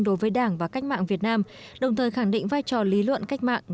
đối với đảng và cách mạng việt nam đồng thời khẳng định vai trò lý luận cách mạng